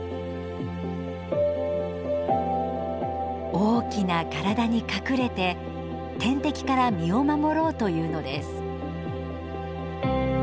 大きな体に隠れて天敵から身を守ろうというのです。